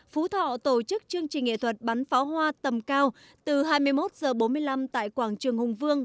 phú thọ tổ chức chương trình nghệ thuật bắn pháo hoa tầm cao từ hai mươi một h bốn mươi năm tại quảng trường hùng vương